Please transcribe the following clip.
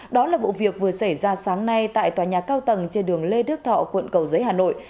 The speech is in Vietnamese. đó là vụ việc vừa xảy ra sáng nay tại tòa nhà cao tầng trên đường lê đức thọ quận cầu giấy hà nội